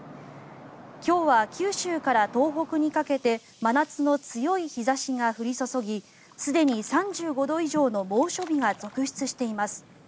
今日は九州から東北にかけて真夏の強い日差しが降り注ぎすでに３５度以上の猛暑日が続出しています。